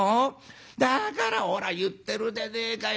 だからほら言ってるでねえかよ。